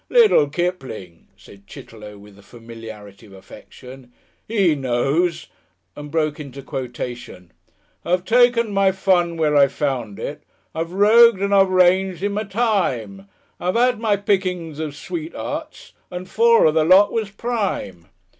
"Little Kipling," said Chitterlow, with the familiarity of affection, "he knows," and broke into quotation: "I've taken my fun where I found it; I've rogued and I've ranged in my time; I've 'ad my picking of sweet'earts, An' four of the lot was Prime."